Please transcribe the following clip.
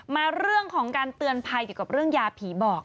มาเรื่องของการเตือนภัยเกี่ยวกับเรื่องยาผีบอก